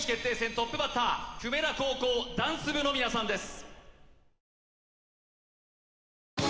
トップバッター久米田高校ダンス部の皆さんです